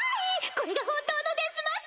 これが本当のデスマスク。